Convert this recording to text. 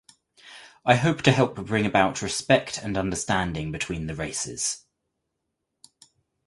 I hope to help bring about respect and understanding between the races.